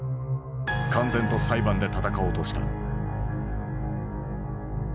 敢然と裁判で闘おうとした。